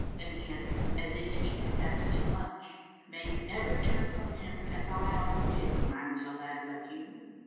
Then he added, as if he had asked too much, " May you never turn from Him as I often did when I was a lad like you."